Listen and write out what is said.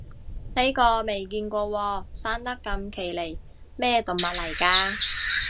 呢個未見過喎，生得咁奇離，咩動物嚟㗎